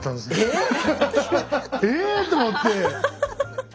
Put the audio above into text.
⁉え⁉と思って。